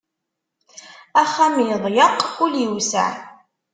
Axxam iḍyeq, ul iwseɛ.